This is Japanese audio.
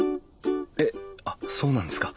えっあっそうなんですか？